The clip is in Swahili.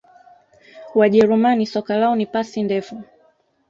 wajerumani soka lao ni pasi ndefu